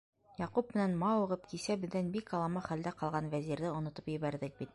Яҡуп менән мауығып, кисә беҙҙән бик алама хәлдә ҡалған Вәзирҙе онотоп ебәрҙек бит.